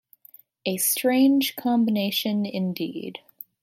A strange combination indeed.